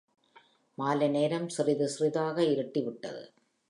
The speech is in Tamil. மாலை நேரம் சிறிது சிறிதாக இருட்டிவிட்டது.